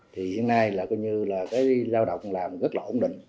thì hiện nay là coi như là cái lao động làm rất là ổn định